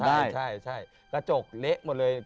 ใช่ใช่ใช่กระจกเละหมดเลย